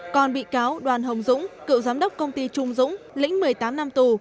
còn bị cáo đoàn hồng dũng cựu giám đốc công ty trung dũng lĩnh một mươi tám năm tù